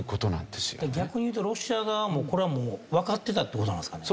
でも逆に言うとロシア側もこれはもうわかってたって事なんですかね？